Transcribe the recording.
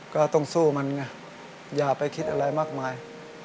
ก็ต้องสู้มันไงอย่าไปคิดอะไรมากมาย